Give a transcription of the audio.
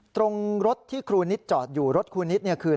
ตรงรถที่ครูนิตจอดอยู่รถครูนิตคือ